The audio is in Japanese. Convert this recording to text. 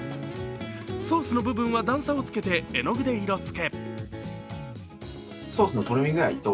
ソースの部分は段差をつけて絵の具で色づけ。